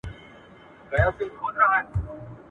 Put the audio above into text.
یوه ورځ وو پیر بازار ته راوتلی ..